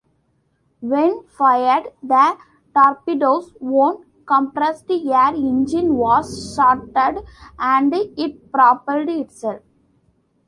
When fired, the torpedo's own compressed air engine was started and it propelled itself.